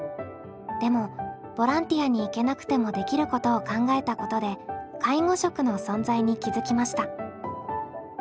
でもボランティアに行けなくてもできることを考えたことで介護食の存在に気付きました。